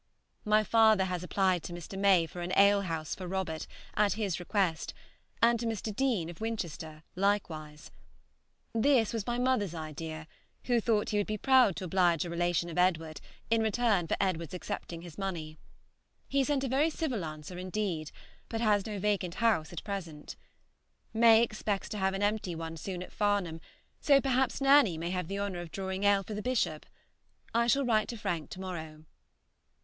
My father has applied to Mr. May for an ale house for Robert, at his request, and to Mr. Deane, of Winchester, likewise. This was my mother's idea, who thought he would be proud to oblige a relation of Edward in return for Edward's accepting his money. He sent a very civil answer indeed, but has no house vacant at present. May expects to have an empty one soon at Farnham, so perhaps Nanny may have the honor of drawing ale for the Bishop. I shall write to Frank to morrow.